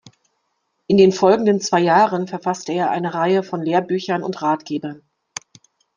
In den folgenden zwei Jahren verfasste er eine Reihe von Lehrbüchern und Ratgebern.